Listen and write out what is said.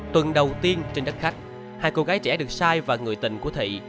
tuần đầu tiên trên đất khách hai cô gái trẻ được sai và người tình của thị